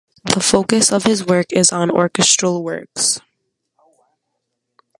The focus of his work is on orchestral works.